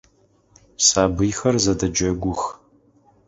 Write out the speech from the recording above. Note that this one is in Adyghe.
Сабыйхэр зэдэджэгух.